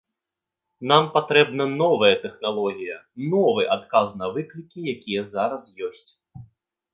Нам патрэбна новая тэхналогія, новы адказ на выклікі, якія зараз ёсць.